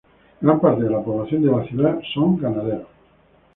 Gran parte de la población de la ciudad son ganaderos.